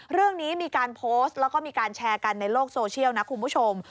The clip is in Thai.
เรื่องนี้มีการโพสต์แล้วก็มีการแชร์กันในโลกโซเชียลนะคุณผู้ชม